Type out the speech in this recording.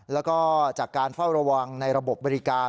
แล้วก็จากการเฝ้าระวังในระบบบบริการ